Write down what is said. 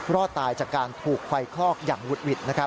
รอดตายจากการถูกไฟคลอกอย่างวุดหวิด